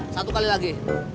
satu kali lagi